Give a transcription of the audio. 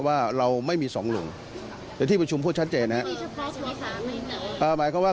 คือคือคือคือคือคือคือคือคือคือคือคือคือ